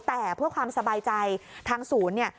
แต่เพื่อความสบายใจทางศูนย์เนี่ย